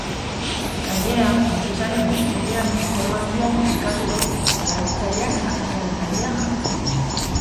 Gainera, enpresaren webgunean informazioa publikatu dute, erabiltzaileak jakinaren gainean jartzeko.